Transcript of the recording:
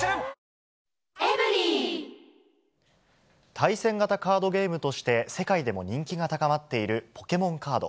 対戦型カードゲームとして、世界でも人気が高まっているポケモンカード。